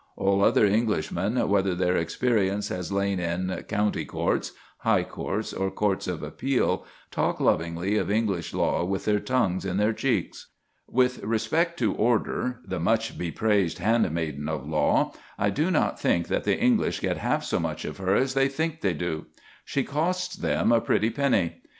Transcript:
All other Englishmen, whether their experience has lain in County Courts, High Courts, or Courts of Appeal, talk lovingly of English law with their tongues in their cheeks. With respect to order, the much bepraised handmaiden of law, I do not think that the English get half so much of her as they think they do. She costs them a pretty penny.